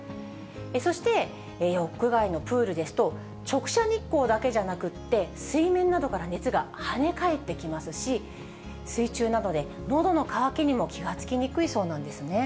そして屋外のプールですと、直射日光だけじゃなくて、水面などから熱が跳ね返ってきますし、水中なのでのどの渇きにも気が付きにくいそうなんですね。